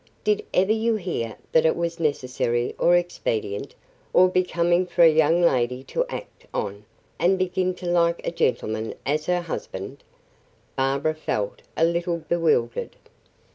Did ever you hear that it was necessary or expedient, or becoming for a young lady to act on and begin to 'like' a gentleman as 'her husband?'" Barbara felt a little bewildered.